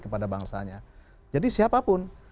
kepada bangsanya jadi siapapun